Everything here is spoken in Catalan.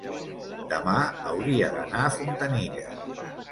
demà hauria d'anar a Fontanilles.